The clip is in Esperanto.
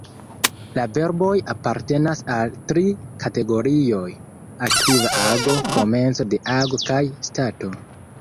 La verboj apartenas al tri kategorioj: aktiva ago, komenco de ago kaj stato.